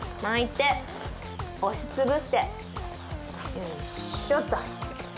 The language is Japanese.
よいしょと。